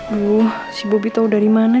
wuh si bobi tahu dari mana